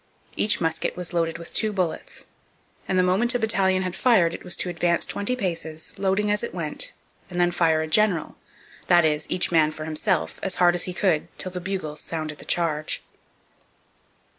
Every musket was loaded with two bullets, and the moment a battalion had fired it was to advance twenty paces, loading as it went, and then fire a 'general,' that is, each man for himself, as hard as he could, till the bugles sounded the charge.